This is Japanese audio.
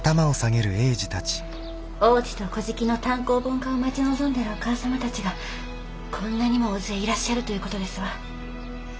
「王子と乞食」の単行本化を待ち望んでるお母様たちがこんなにも大勢いらっしゃるという事ですわ。